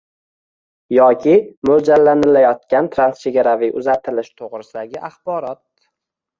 yoki mo‘ljallanilayotgan transchegaraviy uzatilishi to‘g‘risidagi axborot.